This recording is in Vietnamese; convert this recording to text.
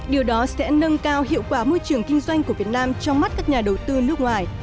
điều đó sẽ nâng cao hiệu quả môi trường kinh doanh của việt nam trong mắt các nhà đầu tư nước ngoài